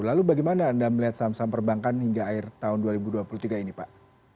lalu bagaimana anda melihat saham saham perbankan hingga akhir tahun dua ribu dua puluh tiga ini pak